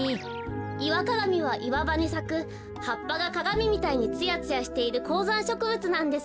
イワカガミはいわばにさくはっぱがかがみみたいにツヤツヤしているこうざんしょくぶつなんです。